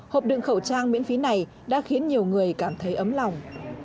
hộp đựng khẩu trang miễn phí này đã khiến nhiều người cảm thấy ấm lòng